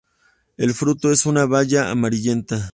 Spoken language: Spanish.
El fruto es una baya amarillenta.